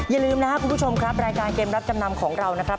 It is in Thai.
อย่าลืมนะครับคุณผู้ชมครับรายการเกมรับจำนำของเรานะครับ